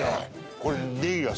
これ